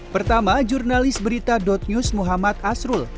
pertama jurnalis berita news muhammad asrul